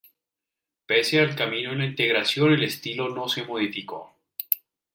Pese al cambio en la integración el estilo no se modificó.